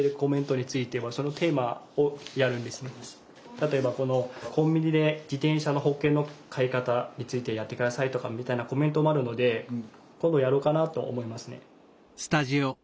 例えばこの「コンビニで自転車の保険の買い方についてやって下さい」とかみたいなコメントもあるので今度やろうかなと思いますね。